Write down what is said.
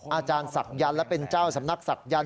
อาจารย์ศักยันต์และเป็นเจ้าสำนักศักยันต